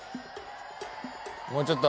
もうちょっと。